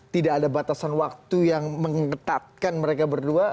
tidak ada batasan waktu yang mengetatkan mereka berdua